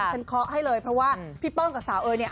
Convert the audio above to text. ฉันเคาะให้เลยเพราะว่าพี่ป้องกับสาวเอ๋น